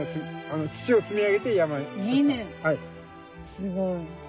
すごい。